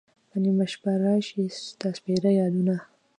په نیمه شپه را شی ستا سپیره یادونه